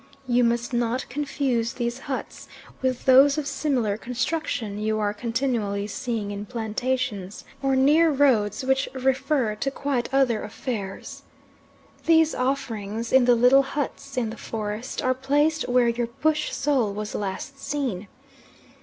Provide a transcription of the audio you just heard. You must not confuse these huts with those of similar construction you are continually seeing in plantations, or near roads, which refer to quite other affairs. These offerings, in the little huts in the forest, are placed where your bush soul was last seen.